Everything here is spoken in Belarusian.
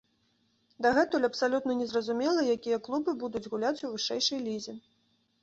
Дагэтуль абсалютна не зразумела, якія клубы будуць гуляць у вышэйшай лізе.